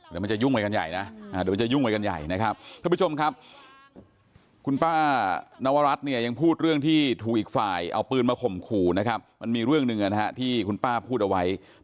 เดี๋ยวมันจะยุ่งไปกันใหญ่นะเดี๋ยวมันจะยุ่งไปกันใหญ่นะครับทุกผู้ชมครับคุณป้านวรัฐเนี่ยยังพูดเรื่องที่ถูกอีกฝ่ายเอาปืนมาข่มขู่นะครับมันมีเรื่องหนึ่งที่คุณป้าพูดเอาไว้